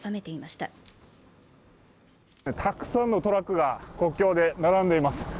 たくさんのトラックが国境で並んでいます。